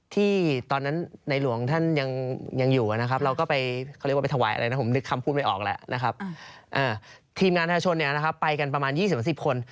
ทีมงานทายชนไปกันประมาณ๒๐บาท๑๐คน